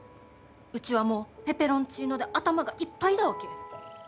うちはもうペペロンチーノで頭がいっぱいだわけ。